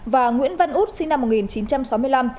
và nguyễn văn út sinh năm một nghìn chín trăm sáu mươi năm